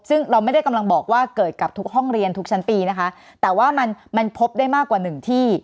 ซึ่งเราไม่ได้กำลังบอกว่าเกิดกับทุกห้องเรียนทุกชั้นปีนะคะแต่ว่ามันมันพบได้มากกว่าหนึ่งที่